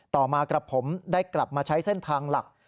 ต่อมากับผมได้กลับมาใช้เส้นทางหลัก